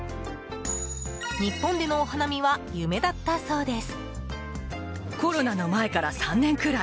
日本でのお花見は夢だったそうです。